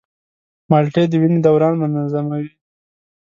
مالټې د وینې دوران منظموي.